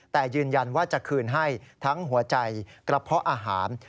แต่ยืนยันว่าจะคืนให้ทั้งหัวใจกระเพาะอาหาร